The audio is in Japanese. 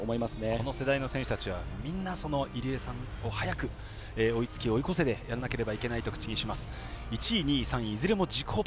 この世代の選手たちはみんな入江さんを早く追いつき追い越せでやらなければいけないと口にします。